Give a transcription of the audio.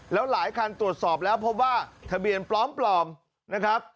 แล้วหลายคันตรวจสอบแล้วพบว่าทะเบียนปลอมนะครับ